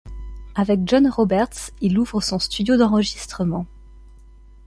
Avec John Roberts, il ouvre son studio d'enregistrements.